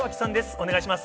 お願いします。